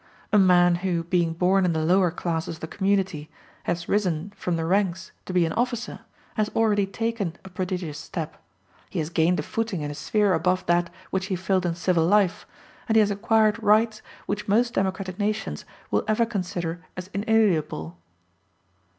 A man who, being born in the lower classes of the community, has risen from the ranks to be an officer, has already taken a prodigious step. He has gained a footing in a sphere above that which he filled in civil life, and he has acquired rights which most democratic nations will ever consider as inalienable.